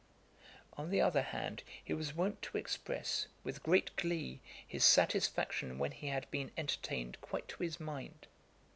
On the other hand, he was wont to express, with great glee, his satisfaction when he had been entertained quite to his mind.